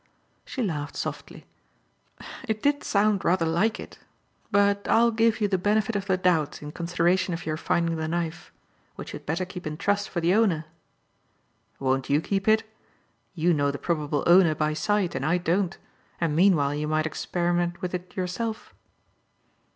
She laughed softly. "It did sound rather like it. But I'll give you the benefit of the doubt in consideration of your finding the knife which you had better keep in trust for the owner." "Won't you keep it? You know the probable owner by sight and I don't; and meanwhile you might experiment with it yourself."